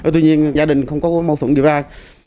tuy nhiên gia đình không có mâu thuẫn gì ai